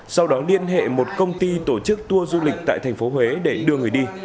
sau đó liên hệ một công ty tổ chức tour du lịch tại thành phố huế để đưa người đi